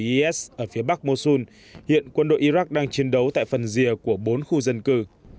is ở phía bắc mosul hiện quân đội iraq đang chiến đấu tại phần rìa của bốn khu dân cư